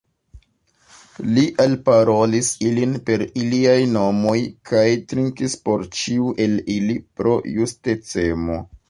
Li alparolis ilin per iliaj nomoj, kaj trinkis por ĉiu el ili, pro justecemo.